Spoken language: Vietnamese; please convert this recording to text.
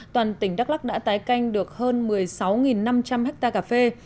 toàn tỉnh đắk lắc đã tái canh được hơn một mươi sáu năm trăm linh hectare cà phê